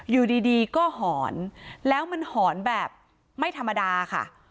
อยู่ดีก็หอนแล้วมันหอนแบบไม่ธรรมดาค่ะ